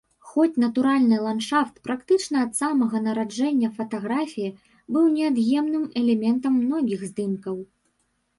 Хоць натуральны ландшафт практычна ад самага нараджэння фатаграфіі быў неад'емным элементам многіх здымкаў.